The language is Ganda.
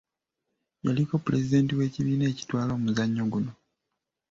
Yaliko Pulezidenti w’ekibiina ekitwala omuzannyo guno.